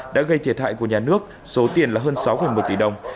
đã gây thiệt hại của nhà nước số tiền là hơn sáu một tỷ đồng